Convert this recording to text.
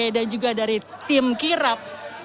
dan juga dari tim kirap